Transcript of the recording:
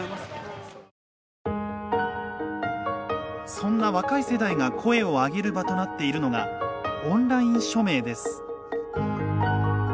そんな若い世代が声を上げる場となっているのがオンライン署名です。